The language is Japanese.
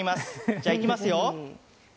じゃ、いきますよ。